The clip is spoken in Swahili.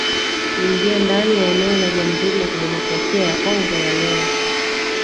kuingia ndani ya eneo la Jamhuri ya Kidemokrasia ya Kongo ya leo